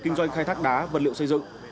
kinh doanh khai thác đá vật liệu xây dựng